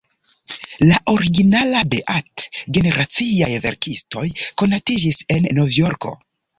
La originala "Beat"-generaciaj verkistoj konatiĝis en Novjorko.